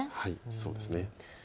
そうですね。